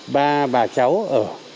ba bà cháu ở